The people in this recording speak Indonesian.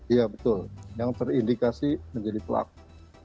iya betul yang terindikasi menjadi pelaku